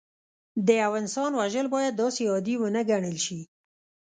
د یو انسان وژل باید داسې عادي ونه ګڼل شي